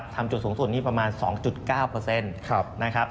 ทำจุดสูงส่วนนี้ประมาณ๒๙นะครับ